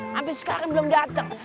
sampai sekarang belum datang